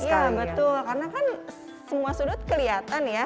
iya betul karena kan semua sudut kelihatan ya